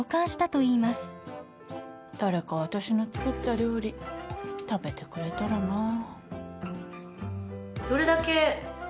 誰か私の作った料理食べてくれたらなぁ。